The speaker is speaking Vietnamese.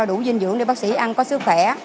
đủ dinh dưỡng để bác sĩ ăn có sức khỏe